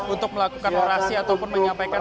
untuk melakukan orasi ataupun menyampaikan